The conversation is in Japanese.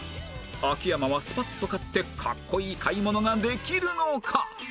秋山はスパッと買ってかっこいい買い物ができるのか！？